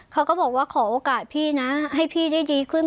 เขาก็บอกว่าขอโอกาสพี่นะให้พี่ได้ดีขึ้น